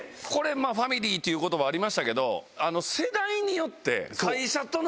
「ファミリー」っていう言葉ありましたけど。